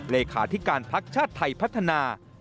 เลขาธิการภักดิ์ชาติไทยพัฒนา